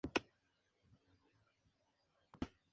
Francis T. Van der Bom fue nombrado su primer pastor.